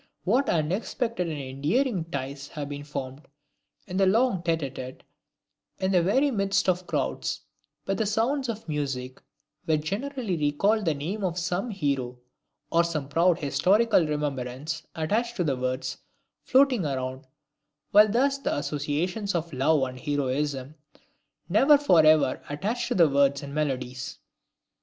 What unexpected and endearing ties have been formed in the long tete a tete, in the very midst of crowds, with the sounds of music, which generally recalled the name of some hero or some proud historical remembrance attached to the words, floating around, while thus the associations of love and heroism became forever attached to the words and melodies!